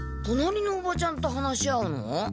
隣のおばちゃんと話し合うの？